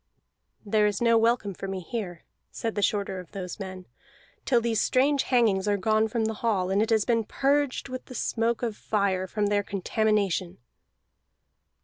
"There is no welcome for me here," said the shorter of those men, "till these strange hangings are gone from the hall, and it has been purged with the smoke of fire from their contamination."